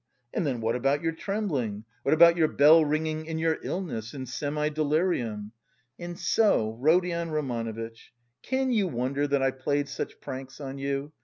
And then what about your trembling, what about your bell ringing in your illness, in semi delirium? "And so, Rodion Romanovitch, can you wonder that I played such pranks on you?